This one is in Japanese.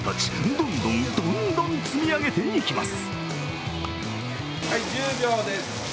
どんどん、どんどん積み上げていきます。